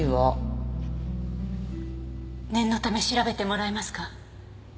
念のため調べてもらえますか。